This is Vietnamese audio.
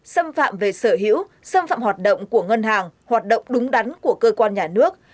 xâm phạm về sở hữu xâm phạm hoạt động của ngân hàng hoạt động đúng đắn của cơ quan nhà nước